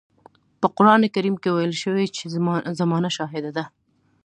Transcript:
په قرآن کريم کې ويل شوي چې زمانه شاهده ده.